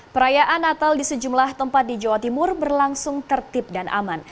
perayaan natal di sejumlah tempat di jawa timur berlangsung tertib dan aman